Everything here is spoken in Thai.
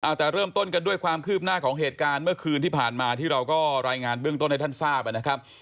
เอาแต่เริ่มต้นกันด้วยความคืบหน้าของเหตุการณ์เมื่อคืนที่ผ่านมาที่เราก็รายงานเบื้องต้นให้ท่านทราบนะครับ